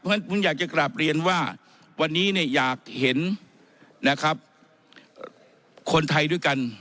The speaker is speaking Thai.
เพราะฉะนั้นผมอยากจะกลับเรียนว่าวันนี้อยากเห็นนะครับคนไทยด้วยกัน